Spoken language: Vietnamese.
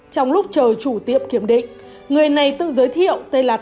trong lúc chờ chủ tiệm kiểm định người này tự giới thiệu tên là